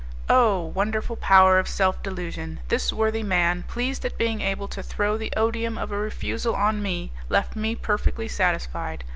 Oh! wonderful power of self delusion! This worthy man, pleased at being able to throw the odium of a refusal on me, left me perfectly satisfied.